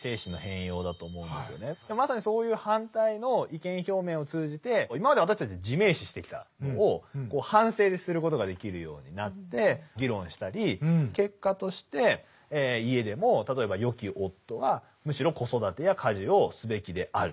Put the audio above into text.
まさにそういう反対の意見表明を通じて今まで私たち自明視してきたのを反省することができるようになって議論したり結果として家でも例えばよき夫はむしろ子育てや家事をすべきであると。